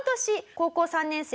高校３年生